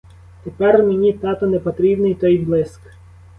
Тепер мені, тату, непотрібний той блиск.